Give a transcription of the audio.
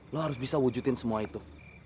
lu harus bisa wujudin semua itu